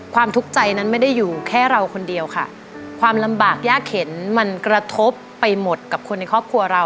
ทุกข์ใจนั้นไม่ได้อยู่แค่เราคนเดียวค่ะความลำบากยากเข็นมันกระทบไปหมดกับคนในครอบครัวเรา